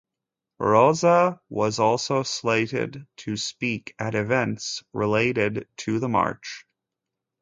Rozsa was also slated to speak at events related to the march.